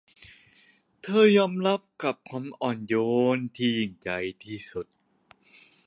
เธอยอมรับกับความอ่อนโยนที่ยิ่งใหญ่ที่สุด